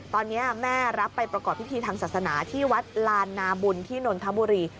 ตอนนี้แม่รับไปประกอบพิธีทางศาสนาที่วัดลานนาบุญที่นนทบุรี